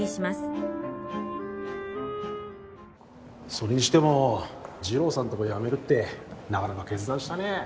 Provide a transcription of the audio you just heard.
それにしてもＪＩＲＯさんとこ辞めるってなかなか決断したね。